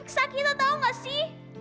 sakit tau gak sih